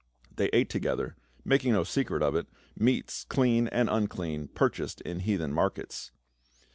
They ate together — making no secret of it — meats clean and unclean, purchased in the heathen markets.